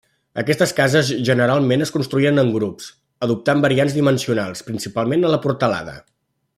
Aquestes cases generalment es construïen en grups, adoptant variants dimensionals, principalment en la portalada.